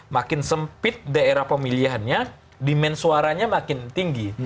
makin sempit daerah pemilihannya demand suaranya makin tinggi